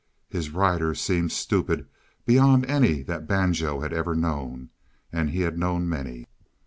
His rider seemed stupid beyond any that Banjo had ever known and he had known many.